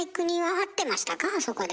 あそこで。